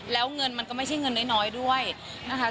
แล้วเงินมันก็ไม่ใช่เงินน้อยด้วยนะคะ